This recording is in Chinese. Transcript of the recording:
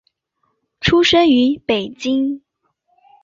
出生于北京。